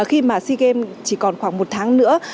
khi mà sea games chỉ còn khoảng một tháng nữa